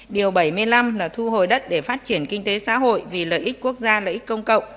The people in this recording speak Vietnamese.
điều bảy mươi năm là thu hồi đất để phát triển kinh tế xã hội vì lợi ích quốc gia lợi ích công cộng